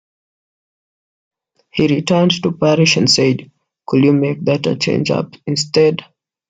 He turned to Parrish and said, Could you make that a changeup instead?